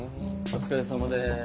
お疲れさまです。